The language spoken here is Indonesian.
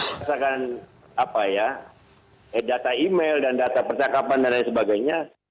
berdasarkan data email dan data percakapan dan lain sebagainya